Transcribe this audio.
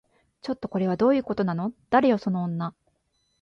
ちょっと、これはどういうことなの？誰よその女